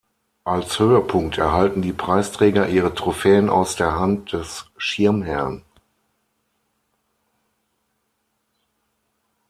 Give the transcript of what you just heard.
Als Höhepunkt erhalten die Preisträger ihre Trophäen aus der Hand des Schirmherrn.